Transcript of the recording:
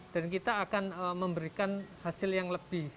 kita akan memberikan hasil yang lebih